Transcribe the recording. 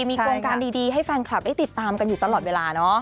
มีโครงการดีให้แฟนคลับได้ติดตามกันอยู่ตลอดเวลา